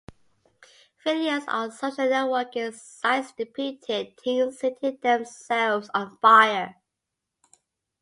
Videos on social networking sites depicted teens setting themselves on fire.